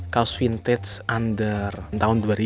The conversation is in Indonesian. kaus vintage under tahun dua ribu